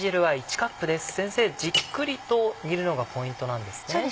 先生じっくりと煮るのがポイントなんですね。